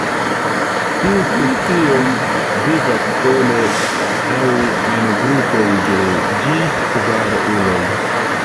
Tiu specio vivas sole aŭ en grupoj de ĝis kvar uloj.